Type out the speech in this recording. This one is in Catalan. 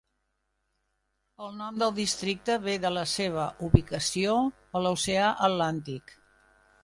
El nom del districte ve de la seva ubicació a l'Oceà Atlàntic.